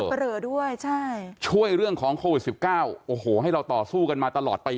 เหลือด้วยใช่ช่วยเรื่องของโควิด๑๙โอ้โหให้เราต่อสู้กันมาตลอดปี